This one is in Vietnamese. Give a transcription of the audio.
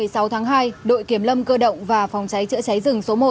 tối ngày một mươi sáu tháng hai đội kiểm lâm cơ động và phòng cháy chữa cháy rừng số một